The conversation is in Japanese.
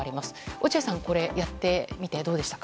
落合さんやってみてどうでしたか？